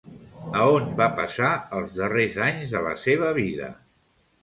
A on va passar els darrers anys de la seva vida?